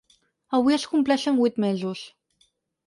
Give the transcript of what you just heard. Avui es compleixen vuit mesos.